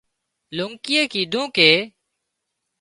لونڪيئي ڪيڌون ڪي